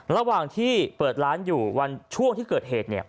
ระหว่างที่เปิดร้านอยู่วันช่วงที่เกิดเหตุ